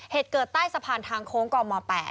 เหตุเกิดใต้สะพานทางโค้งกม๘